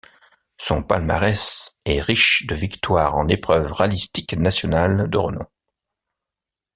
Son palmarès est riche de victoires en épreuves rallystiques nationales de renom.